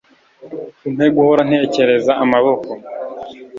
umpe guhora ntekereza amaboko